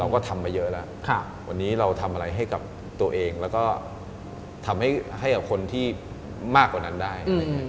ก็ทำมาเยอะแล้ววันนี้เราทำอะไรให้กับตัวเองแล้วก็ทำให้กับคนที่มากกว่านั้นได้